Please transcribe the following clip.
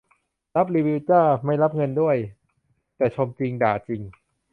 รับรีวิวจ้า ไม่รับเงินด่วย แต่ชมจริงด่าจริง